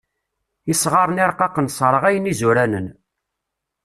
Isɣaṛen iṛqaqen sseṛɣayen izuranen.